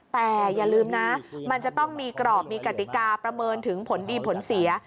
แต่อย่าลืมนะมันจะต้องมีกรอบมีกติกาประเมินถึงผลดีผลเสีย